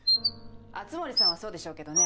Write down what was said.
熱護さんはそうでしょうけどね。